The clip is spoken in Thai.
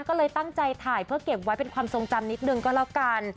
ก็เลยตั้งใจถ่ายเพื่อเก็บไว้เป็นความทรงจำนิดนึงก็แล้วกัน